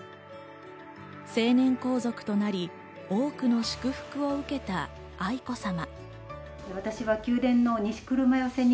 成年皇族となり、多くの祝福を受けた愛子さま。